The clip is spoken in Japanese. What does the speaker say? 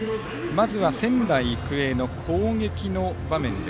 まずは仙台育英の攻撃の場面。